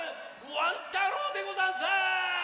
ワン太郎でござんす！